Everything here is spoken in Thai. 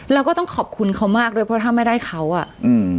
แล้วก็ต้องขอบคุณเขามากด้วยเพราะถ้าไม่ได้เขาอ่ะอืม